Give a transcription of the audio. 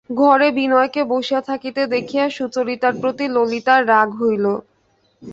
ঘরে বিনয়কে বসিয়া থাকিতে দেখিয়া সুচরিতার প্রতি ললিতার রাগ হইল।